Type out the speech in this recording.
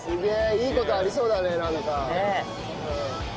いい事ありそうだねなんか。